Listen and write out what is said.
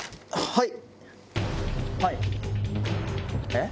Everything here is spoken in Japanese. はい。